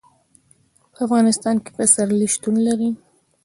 په افغانستان کې پسرلی شتون لري.